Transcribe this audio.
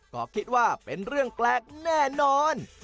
ก็คิดว่าเป็นเรื่องแปลกแน่นอน